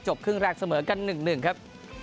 ครึ่งแรกเสมอกัน๑๑ครับ